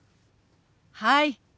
はい。